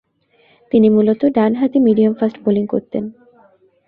তিনি মূলতঃ ডানহাতি মিডিয়াম-ফাস্ট বোলিং করতেন।